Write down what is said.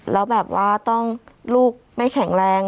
แล้วแบบว่าต้องลูกไม่แข็งแรง